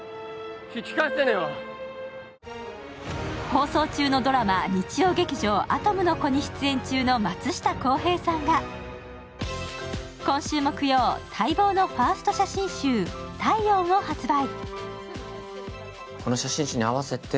放送中のドラマ日曜劇場「アトムの童」に出演中の松下洸平さんが今週木曜、待望のファースト写真集「体温」を発売。